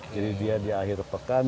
jadi dia di akhir pekan